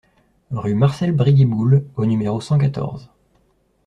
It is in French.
Rue Marcel Briguiboul au numéro cent quatorze